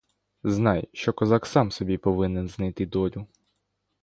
Знай, що козак сам собі повинен знайти долю.